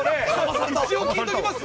一応聞いときます？